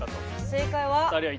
正解は！